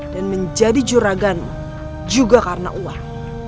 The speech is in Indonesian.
dan menjadi juraganmu juga karena uang